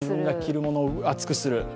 自分が着るものを分厚くする？